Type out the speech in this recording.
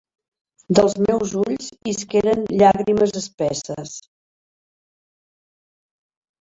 Dels meus ulls isqueren llàgrimes espesses.